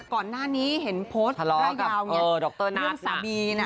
ก่อนหน้านี้เห็นโพสต์ทะเลาะกับเออดรนัทเรื่องสามีน